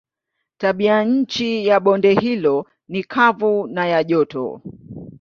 Tabianchi ya bonde hilo ni kavu na ya joto.